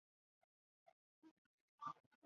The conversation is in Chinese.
他从伦敦圣三一音乐学院毕业。